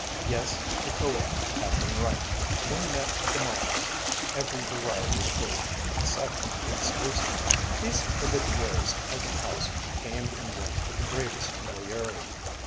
Yes, the co ed had been right, one met at the Marshalls' every variety of person except the exclusive. These habitués of the house came and went with the greatest familiarity.